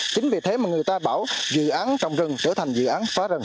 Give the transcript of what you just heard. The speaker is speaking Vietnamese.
chính vì thế mà người ta bảo dự án trồng rừng trở thành dự án phá rừng